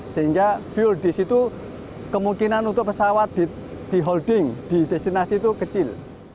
sehingga fuel di situ kemungkinan untuk pesawat di holding di destinasi itu kecil